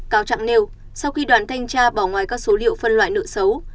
cáo trạng nêu sau khi đoàn thanh tra bỏ ngoài các số liệu phân loại nợ xấu